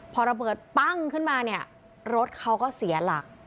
พอระเบิดปั้งขึ้นมาเนี่ยรถเขาก็เสียหลัก